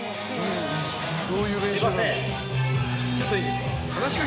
ちょっといいですか？